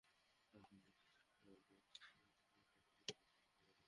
আমরা বলতে চাই, এভাবে মামলা দিয়ে সাংবাদিকদের লেখনী বন্ধ করা যাবে না।